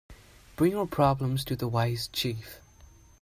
Bring your problems to the wise chief.